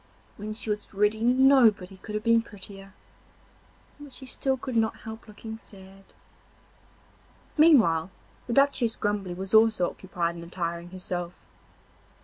When she was ready nobody could have been prettier, but she still could not help looking sad. Meanwhile the Duchess Grumbly was also occupied in attiring herself.